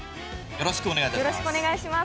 よろしくお願いします。